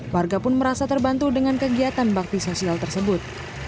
warga pun merasa terbantu dengan kegiatan bakti sosial tersebut